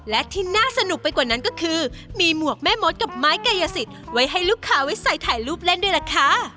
และที่น่าสนุกไปกว่านั้นก็คือมีหมวกแม่มดกับไม้กายสิทธิ์ไว้ให้ลูกค้าไว้ใส่ถ่ายรูปเล่นด้วยล่ะค่ะ